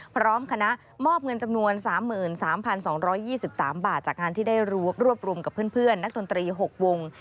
พร้อมคณะมอบเงินจำนวน๓๓๒๒๓บาทจากงานที่ได้รวบรวมกับเพื่อนนักดนตรี๖วง